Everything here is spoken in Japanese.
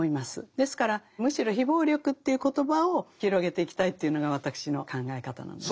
ですからむしろ非暴力という言葉を広げていきたいというのが私の考え方なんです。